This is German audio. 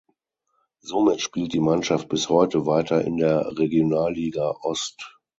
Somit spielt die Mannschaft bis heute weiter in der Regionalliga Ost.